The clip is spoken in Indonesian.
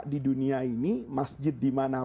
di dunia ini masjid di mana